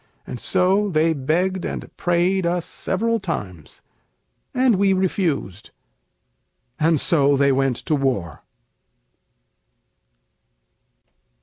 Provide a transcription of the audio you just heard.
And so they begged and prayed us several times; And we refused: and so they went to war.